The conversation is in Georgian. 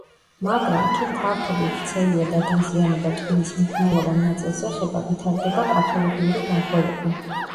მაგრამ, თუ ფართობი ვრცელია და დაზიანება ტვინის მნიშვნელოვან ნაწილს ეხება, ვითარდება პათოლოგიური დარღვევები.